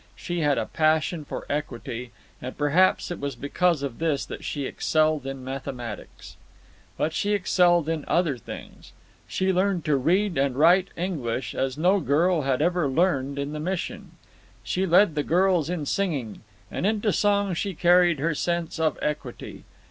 She had a passion for equity, and perhaps it was because of this that she excelled in mathematics. But she excelled in other things. She learned to read and write English as no girl had ever learned in the Mission. She led the girls in singing, and into song she carried her sense of equity.